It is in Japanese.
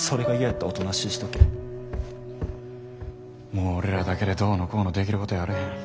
もう俺らだけでどうのこうのできることやあれへん。